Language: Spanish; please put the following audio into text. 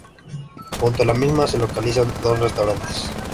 Junto a la misma se localizan dos restaurantes.